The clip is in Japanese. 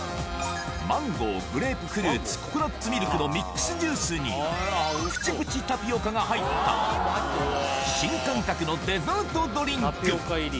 マンゴー、グレープフルーツ、ココナッツミルクのミックスジュースに、ぷちぷちタピオカが入った、新感覚のデザートドリンク。